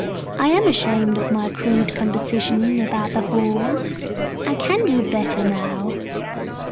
I am ashamed of my crude composition about The Horse, and can do better now.